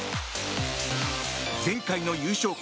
前回の優勝国